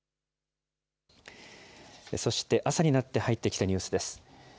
そして、朝になって入ってきたニュースです。